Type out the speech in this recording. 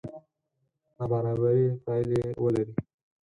نابرابرې پایلې ولري.